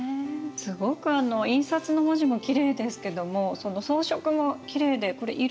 すごくあの印刷の文字もきれいですけどもその装飾もきれいでこれ色は。